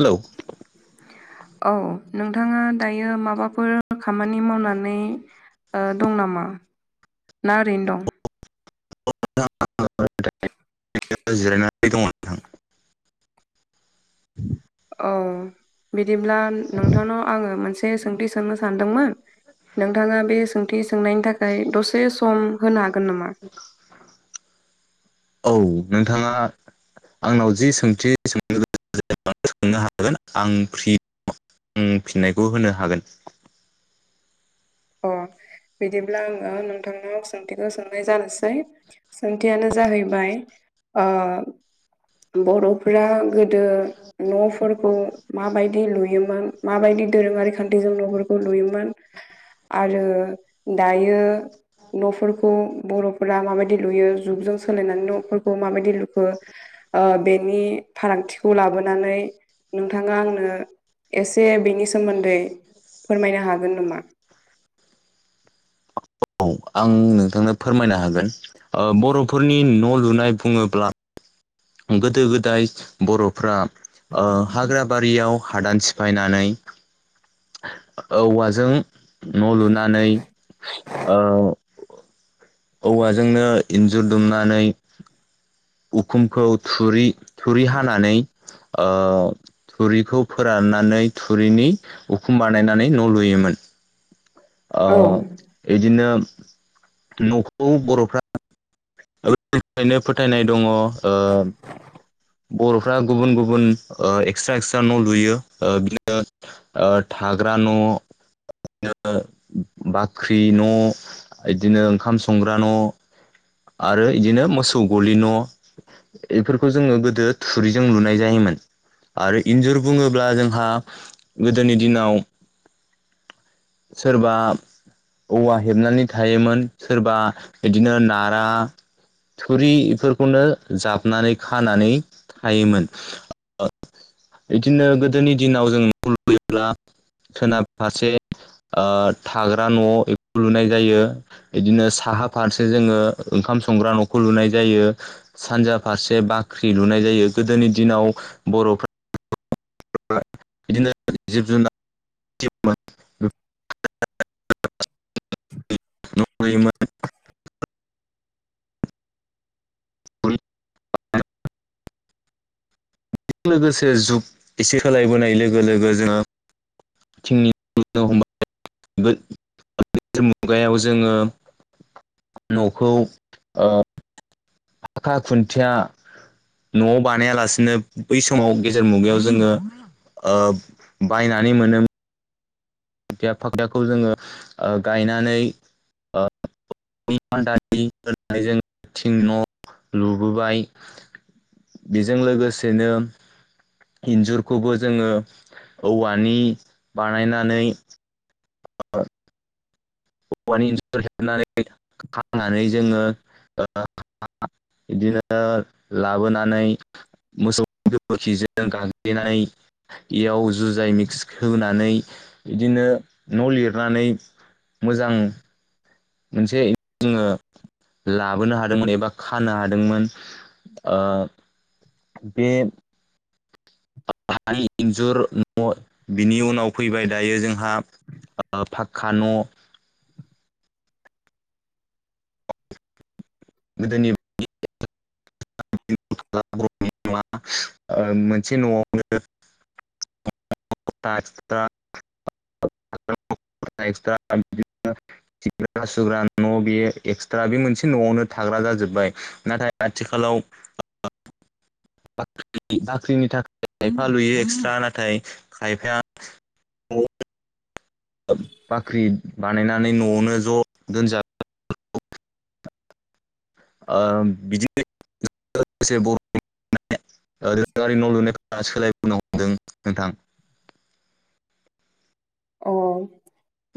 Hello. [inaudible] औ नोंथाङा दायो माबाफोर खामानि मावनानै ओ दं नामा ना ओरैनो दं? [unintelligible] जिरायनानै दङ [unintelligible] औ बिदिब्ला नोंथांनाव आङो मोनसे से सोंथि सोंनो सानदोंमोन नोंथा बे सोंथि सोंनायनि थाखाय दसे सम होनो हागोन नामा? औ नोंथाङा आंनाव जि सोंथि सोंनो गोनां [unintelligible] सोंनो हागोन आं फ्रि फिननायखौ होनो हागोन। अ बिदिब्ला आङो नोंथांनाव सोंथिखौ सोंनाय जानोसै। सोंथियानो जाहैबाय ओ बर'फोरा गोदो न'फोर खौ माबायदि लुयोमोन माबायदि दोरोङारि खान्थिजों न'फोरखौ लुयोमोन आरो दायो न'फोरखौ बर'फोरा माबायदि लुयो जुगजों सोलायनानै न'फोरखौ माबायदि लुखो बेनि फारागथिखौ लाबोनानै नोंथाङा आंनो एसे बेनि सोमोन्दै फोरमायनो हागोन नामा? औ आं नोंथांनो फोरमायनो हागोन बर'फोरनि न' लुनाय बुङोब्ला गोदो गोदाय बर'फ्रा ओ हाग्राबारियाव हादान सिफायनानै औवाजों न' लुनानै ओ औवाजोंनो इन्जुर दुमनानै उखुमखौ थुरि थुरि हानानै ओ थुरिखौ फोराननानै थुरिनि उखुम बानायनानै न' लुयोमोन ओ औ इदिनो न'खौ बर'फ्रा [unintelligible] फोथायनाय दङ ओ बर'फ्रा गुबुन गुबुन ओ एक्सट्रा एक्सट्रा न' लुयो ओ बिदिनो ओ थाग्रा न' [unintelligible] बिदिनो बाख्रि न' बिदिनो ओंखाम संग्रा न' आरो इदिनो मोसौ गलि न' बेफोरखौ जोङो गो दो थुरिजों लुनाय जायोमोन आरो इन्जुर बुङोब्ला जोंहा गोदोनि दिनाव सोरबा औवा हेबनानै थायोमोन सोरबा बिदिनो नारा थुरिफोरखौनो जाबनानै खानानै हायोमोन बिदिनो गोदोनि दिनाव जों न' लुयोब्ला सोनाब फारसे ओ थाग्रा न' बेखौ लुनाय जायो बिदिनो साहा फारसे जोङो ओंखाम संग्रा न'खौ लुनाय जायो सानजा फारसे बाख्रि लुनाय जायो गोदोनि दिनाव बर'फ्रा [unintelligible] बिदिनो जिब जुनार [unintelligible] न' लुयोमोन बे लोगोसे जुग एसे सोलायबोनाय लोगो लोगो जोङो थिंनि [unintelligible] गो [unintelligible] मुगायाव जोङो न'खौ ओ फाखा खुनथिया न'आव बानायालासिनो बै समाव गेजेर मुगायाव जोङो ओ बायनानै मोनोमोन बिया फाख्राखौ जोङो ओ गायनानै दानि होनानै जों थिं न' लुबोबाय बेजों लोगोसेनो इन्जुरखौबो जोङो औवानि बानायनानै [unintelligible] औवानि इनजुर हेबनानै खानानै जोङो [unintelligible] बिदिनो लाबोनानै मोसौ गोबोरखिजों गाग्लिनानै बेयाव जुजाय मिक्स होनानै बिदिनो न' लिरनानै मोजां मोनसे जोङो लाबोनो हादोंमोन एबा खानो हादोंमोन आ बे आंनि इन्जुर न' बिनि उनाव फैबाय दायो जोंहा ओ फाखका न' गोदोनि बायदि [unintelligible] [unintelligible] मोनसे न'आवनो [unintelligible] [unintelligible] बिदिनो खिग्रा हासुग्रा न' बे एक्सट्रा बे मोनसे न'आवनो थाग्रा जाजोबबाय नाथाय आथिखालाव बाख्रिनि थाखाय खायफा लुयो एक्सट्रा नाथाय खायफाया न' बाख्रि बानायनानै न'आवनो ज' दोनजाब ओ बिदिनो लोगोसे बर [unintelligible] ओ दोरोङारि न' लुनाय सोलायबोनो हमदों नोंथां [unintelligible] औ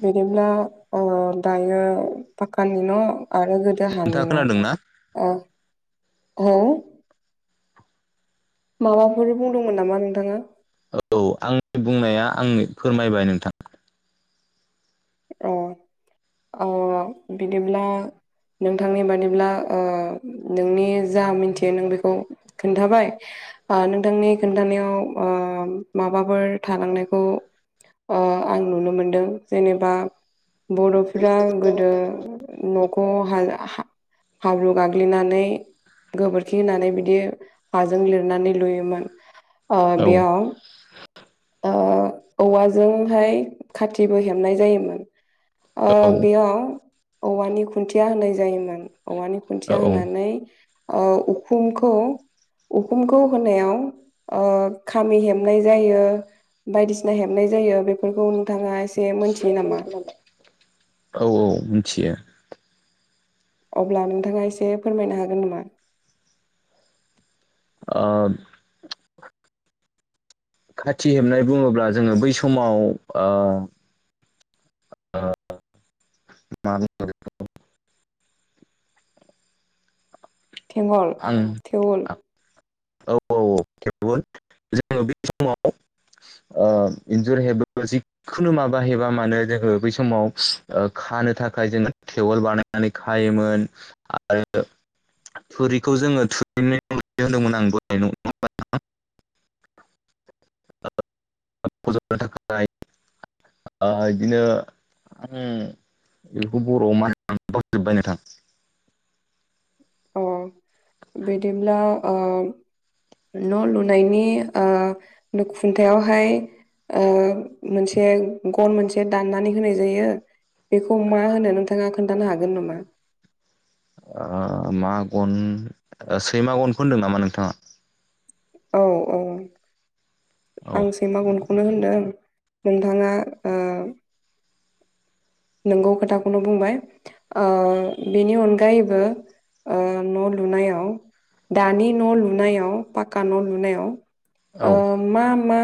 बिदिब्ला ओ दायो फाकानि न' आरो गो दा हानि नोंथाङा खोनादों ना? आ औ [unintelligible] माबाफोर बुंदोंमोन नामा नोंथाङा औ आंनि बुंनाया आंनि फोरमायबाय नोंथां औ औ बिदिब्ला नोंथांनि बादिब्ला नोंनि जा मिथियो नों बेखौ खोन्थाबाय नोंथांनि खोन्थानायाव माबाफोर थालांनायखौ आं नुनो मोनदों जेनेबा बर'फोरा गोदो न'खौ हा हाब्रु गाग्लिनानै गोबोरखि होनानै बिदि हाजों लिरनानै लुयोमोन औ बेयाव औवाजोंहाय खाथिबो हेबनाय जायोमोन ओ औ बेयाव औवानि खुन्थिया होनाय जायोमोन औवानि औ खुन्थिया औ होनानै उखुमखौ उखुमखौ होनायाव खामि हेबनाय जायो बायदिसिना हेबनाय जायो बेफोरखौ नोंथाङा मोनथियो नामा औ औ मिथियो अब्ला नोंथाङा एसे फोरमायनो हागोन नामा ओ खाथि हेबनाय बुङोब्ला जोङो बै समाव ओ [unintelligible] थेंगल आं थेवल औ औ औ थिग जोङो बे समाव आ इन्जुर हेबोबा खुनु माबाहेबा मानो जोङो बै समाव खानो थाखाय जोङो टेवल बानाय नानै खायोमोन आरो थुरिखौ जोङो थुरिनि होनदोंमोन आं [unintelligible] [unintelligible] थाखाय बिदिनो बेखौ बर'आव मा जोबबाय नोंथां अ बिदिब्ला ओ न' लुनायनि खुन्थायावहाय ओ मोनसे गन मोनसे दाननानै होनाय जायो बेखौ मा होनो नोंथाङा खोन्थानो हागोन नामा ओ मा गन सैमा गनखौ होनदों नामा नोंथाङा औ-औ औ आं सैमा गनखौनो होनदों नोंथाङा ओ नोंगौ खोथाखौनो बुंबाय बेनि अनगायैबो ओ न' लुनायाव दानि न' लुनायाव पाक्का न' लुनायाव ओ औ मा मा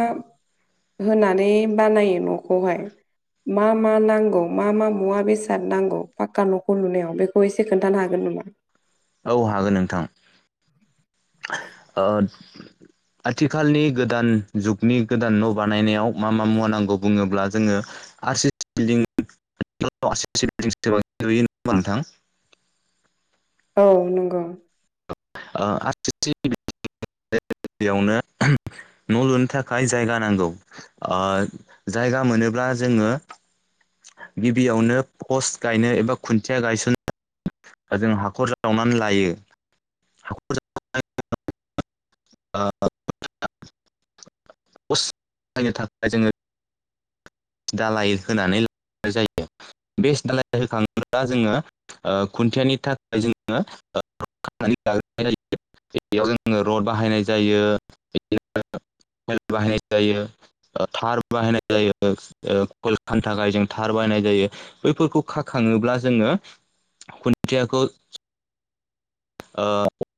होनानै बानायो न'खौहाय मा मा नांगौ मा मा मुवा बेसाद नांगौ फाक्का न'खौ लुनायाव बेखौ एसे खोन्थानो हागोन नामा औ हागोन नोंथां आथिखालनि गोदान जुगनि गोदान न' बानायनायाव मा मा मुवा नांगौ बुङोब्ला जोङो आर सि सि [unintelligible] बिल्डं बिल्डिं लुयो हा नोंथां औ नंगौ [unintelligible] [unintelligible] गिबियावनो न' लुनो थाखाय जायगा नांगौ जायगा मोनोब्ला जोङो गिबियावनो पस्ट गायनो एबा खुन्थिया गायसननो जों हाखर जावनानै लायो हाखर [inaudible] [unintelligible] प्सट बहायनो थाखाय जोङो दालाय होनानै लानाय जायो बेस् दालाय होखाङोब्ला जोङो खुन्थियानि थाखाय जोङो [unintelligible] बेयाव जोङो रड बाहायनाय जायो बिदिनो बाहायनाय जायो थार बाहायनाय जायो ओ [unintelligible] थाखाय जों थार बाहायनाय जायो बैफोरखौ खाखाङोब्ला जोङो खुन्थियाखौ ओ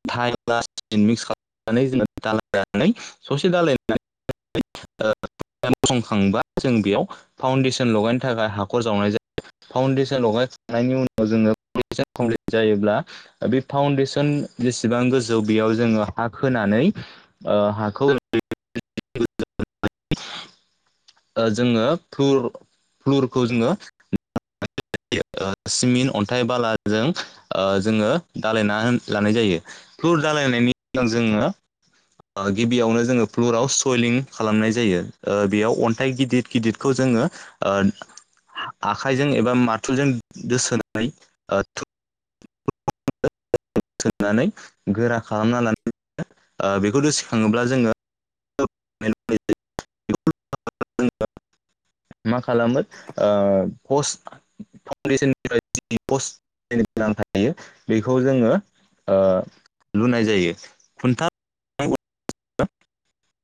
[unintelligible] मिक्स खालामनानै जेन दालायनानै ससे दालायनानै [unintelligible] ओ संखांबा जों बेयाव फाउन्डेसन लगायनो थाखाय हाखर जावनाय जायो फाउन्डेसन लगायखांनायनि उनाव जोङो जायोब्ला बे फाउन्डेसन जेसेबां गोजौ बेयाव जोङो हा खोनानै ओ हाखौ ओ जोङो फ्लुर फ्लुरखौ जोङो सिमिन अन्थाइ बालाजों जोङो ओ दालायना लानाय जायो फ्लुर दालायनायनि उनाव जोङो गिबियावनो जोङो फ्लुराव सयलिं खालामनाय जायो ओ बेयाव अन्थाइ गिदिर गिदिर खौ जोङो ओ आखाइजों एबा मार थुलजों दो सोनानै ओ [unintelligible] [unintelligible] सोननानै गोरा खालामना लानो बेखौ द सिखाङोब्ला जोङो [inaudible] मा खालामो ओ पस्ट फाउडेसननि बायदि पस्ट [unintelligible] बेखौ जोङो लुनाय जायो खुन्था [unintelligible] [inaudible]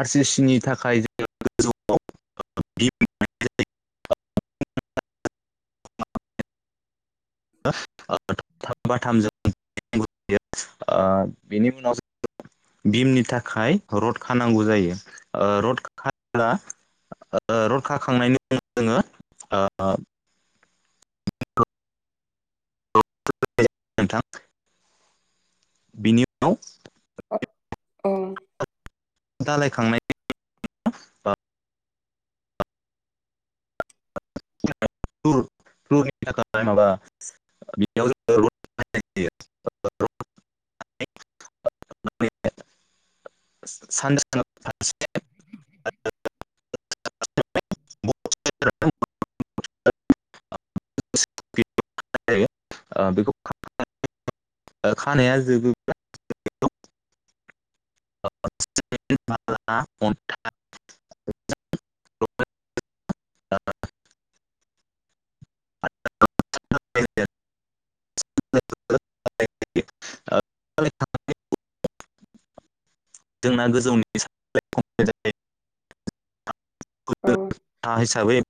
आर सि सि नि थाखाय जों गोजौआव [unintelligible] [unintelligible] बाथामजों [unintelligible] बेनि उनाव ज भिमनि थाखाय रड खानांगौ जायो ओ रड खायोब्ला ओ रड खांनायनि उनाव जोङो ओ [unintelligible] नोंथां बेनि उनाव औ दालायखांनाय फ्लुर फ्लुर नि थाखाय माबा [unintelligible] [unintelligible] [unintelligible] बेखौ [unintelligible] [unintelligible] खानाया जोबोब्ला [unintelligible] [unintelligible] [unintelligible] [unintelligible] जोंना गोजौनि [unintelligible] औ इथा हिसाबै